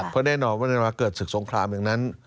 เพราะแน่นอนว่าในเวลาเกิดศึกสงครามอย่างนั้น